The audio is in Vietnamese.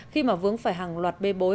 khi mà vướng phải hàng loạt bê bối